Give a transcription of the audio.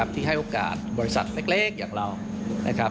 ที่ให้โอกาสบริษัทเล็กอย่างเรา